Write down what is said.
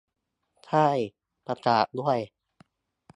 ช่าย ประกาศด้วย